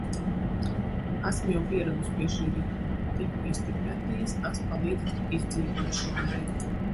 Esmu jau pieradusi pie šī ritma. Tiku pie stipendijas, tas palīdz izdzīvot šo laiku.